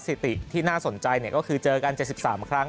ถิติที่น่าสนใจก็คือเจอกัน๗๓ครั้ง